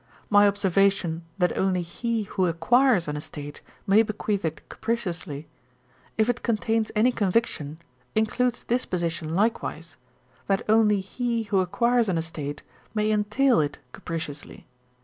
My observation, that only he who acquires an estate may bequeath it capriciously, if it contains any conviction, includes this position likewise, that only he who acquires an estate may entail it capriciously.